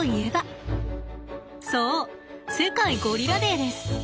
そう世界ゴリラデーです。